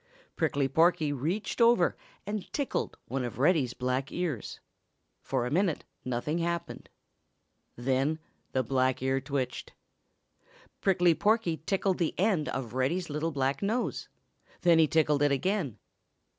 Prickly Porky reached over and tickled one of Reddy's black ears. For a minute nothing happened. Then the black ear twitched. Prickly Porky tickled the end of Reddy's little black nose; then he tickled it again.